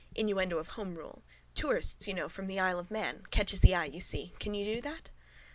Innuendo of home rule. Tourists, you know, from the isle of Man. Catches the eye, you see. Can you do that?